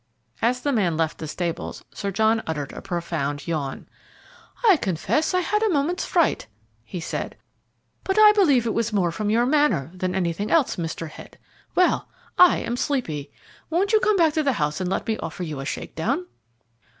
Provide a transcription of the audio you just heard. As the man left the stables, Sir John uttered a profound yawn. "I confess I had a moment's fright," he said; "but I believe it was more from your manner than anything else, Mr. Head. Well, I am sleepy. Won't you come back to the house and let me offer you a shake down?"